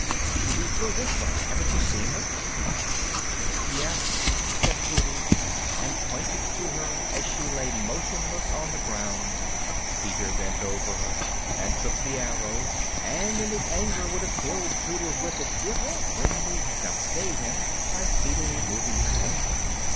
"She flew this way, haven't you seen her?" he asked. "Yes," said Tootles, and pointed to her as she lay motionless on the ground. Peter bent over her and took the arrow, and, in his anger, would have killed Tootles with it, if Wendy had not stayed him by feebly moving her hand.